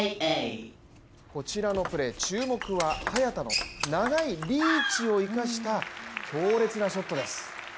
こちらのプレー、注目は早田の長いリーチを生かした強烈なショットです。